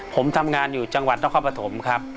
ผมทำงานอยู่จังหวัดนครปฐมครับ